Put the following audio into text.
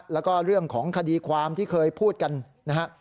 แล้วก็เรื่องของคดีความที่เคยพูดกันนะฮะ